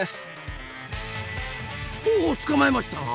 おおっ捕まえましたな！